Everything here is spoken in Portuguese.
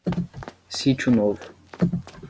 Sítio Novo